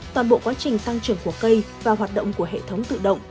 toàn bộ quá trình tăng trưởng của cây và hoạt động của hệ thống tự động